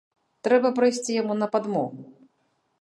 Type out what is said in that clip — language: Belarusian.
Трэба прыйсці яму на падмогу.